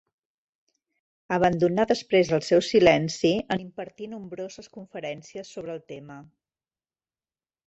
Abandonà després el seu silenci en impartir nombroses conferències sobre el tema.